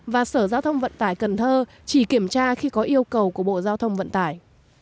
và sở giao thông vận tải cần thơ chỉ kiểm tra khi có yêu cầu của bộ giao thông vận tải